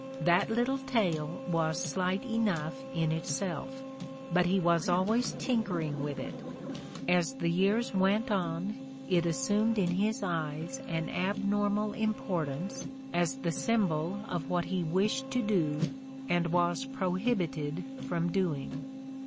That little tale was slight enough in itself, but he was always tinkering with it: as the years went on it assumed in his eyes an abnormal importance as the symbol of what he wished to do and was prohibited from doing.